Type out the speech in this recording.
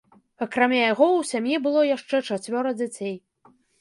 Акрамя яго ў сям'і было яшчэ чацвёра дзяцей.